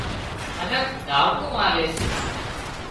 منک دعوتون آلي سي